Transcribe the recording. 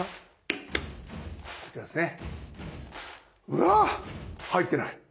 うわ入ってない！